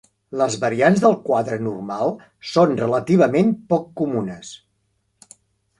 Les variants del quadre normal són relativament poc comunes.